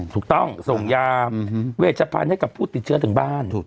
ถูกต้องส่งยาเวชพันธุ์ให้กับผู้ติดเชื้อถึงบ้าน